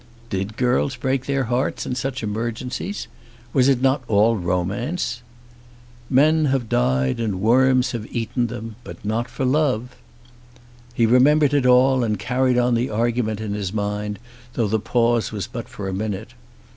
Did girls break their hearts in such emergencies? Was it not all romance? "Men have died and worms have eaten them, but not for love." He remembered it all and carried on the argument in his mind, though the pause was but for a minute.